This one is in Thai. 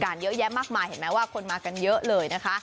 เยอะแยะมากมายเห็นไหมว่าคนมากันเยอะเลยนะคะ